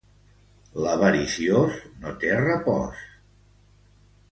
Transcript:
L'avariciós no té repòs.